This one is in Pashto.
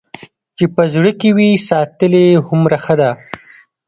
چې په زړه کې وي ساتلې هومره ښه ده.